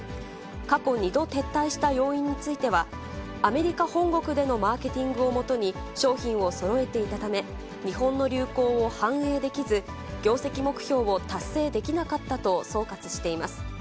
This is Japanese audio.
過去２度撤退した要因については、アメリカ本国でのマーケティングを基に商品をそろえていたため、日本の流行を反映できず、業績目標を達成できなかったと総括しています。